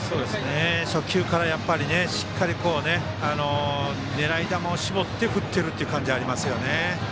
初球からやっぱりしっかり狙い球を絞って振ってるっていう感じありますよね。